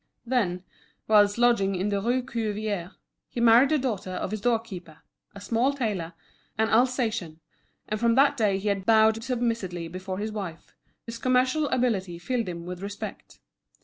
Then, whilst lodging in the Rue Cuvier, he married the daughter of his doorkeeper, a small tailor, an Alsatian; and from that day he had bowed submissively before his wife, whose commercial ability filled him with respect.